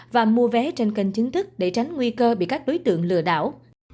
và mua vé trên kênh chính thức để tránh nguy cơ bị các đối tượng lừa đảo